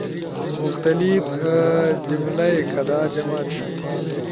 مختلف کملہ ئی کدا جمع تھیم؟